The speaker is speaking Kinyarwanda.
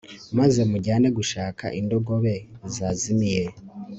maze mujyane gushaka indogobe zazimiye